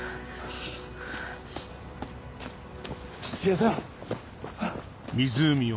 土屋さん。